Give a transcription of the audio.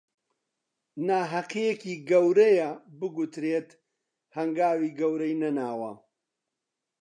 ناهەقییەکی گەورەیە بگوترێت هەنگاوی گەورەی نەناوە